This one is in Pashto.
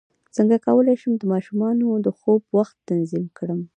څنګه کولی شم د ماشومانو د خوب وخت تنظیم کړم